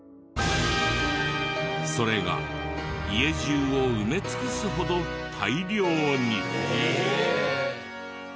それが家中を埋め尽くすほど大量に！